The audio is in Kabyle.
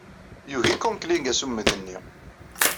Yugi Conkling assummed-nni.